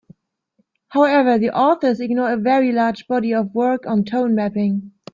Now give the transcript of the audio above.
However, the authors ignore a very large body of work on tone mapping.